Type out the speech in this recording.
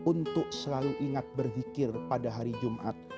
untuk selalu ingat berzikir pada hari jumat